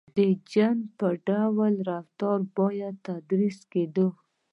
• د جن په ډول رفتار باید تدریس کېدای.